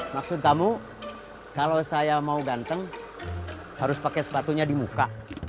maksud kamu kalau saya mau ganteng harus pakai sepatunya di muka